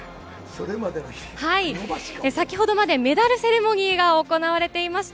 先ほどまでメダルセレモニーが行われていました。